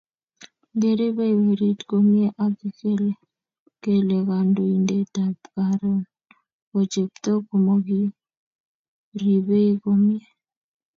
Ngeribei werit komie ak kele kandoindetab Karon ko chepto komokiribei komie